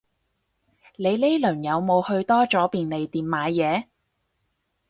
你呢輪有冇去多咗便利店買嘢